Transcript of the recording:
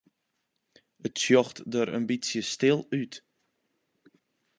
It sjocht der in bytsje stil út.